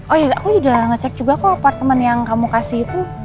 oh ya aku udah ngecek juga kok apartemen yang kamu kasih itu